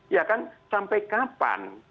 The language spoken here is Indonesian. ya kan sampai kapan